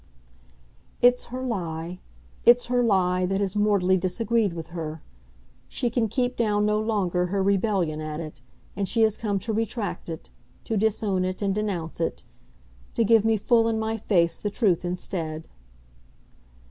"It's her lie, it's her lie that has mortally disagreed with her; she can keep down no longer her rebellion at it, and she has come to retract it, to disown it and denounce it to give me full in my face the truth instead."